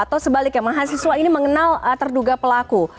atau sebaliknya mahasiswa ini mengenal terduga pelaku